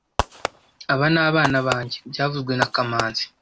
Aba ni abana banjye byavuzwe na kamanzi